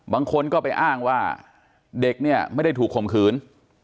บางคนก็ไปอ้างว่าเด็กเนี่ยไม่ได้ถูกข่มขืน